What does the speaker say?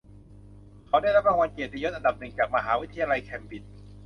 เขาได้รับรางวัลเกียรติยศอันดับหนึ่งจากมหาวิทยาลัยเคมบริดจ์